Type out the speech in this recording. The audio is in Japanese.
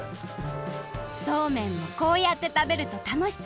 そうめんもこうやってたべるとたのしさ